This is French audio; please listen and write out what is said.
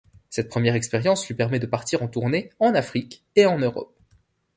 Cette première expérience lui permet de partir en tournée en Afrique et en Europe.